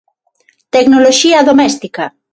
Tecnoloxía doméstica.